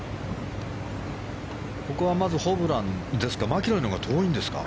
ここはまずホブランですか。